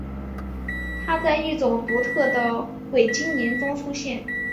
它在一种独特的伟晶岩中出现。